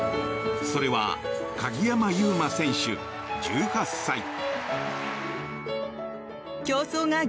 それは鍵山優真選手、１８歳。